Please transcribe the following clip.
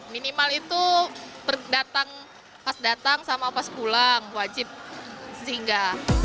minimal itu pas datang sama pas pulang wajib sehingga